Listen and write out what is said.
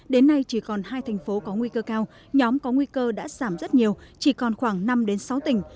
đến nay chỉ còn hai thành phố có nguy cơ cao nhóm có nguy cơ đã giảm rất nhiều chỉ còn khoảng năm sáu tỉnh